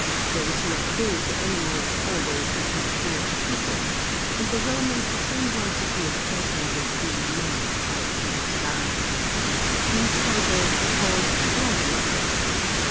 Those who are cruel to animals always become cruel to people; and the Romans soon wanted the ex citement of seeing men fight and die. These fighters were called gladiators.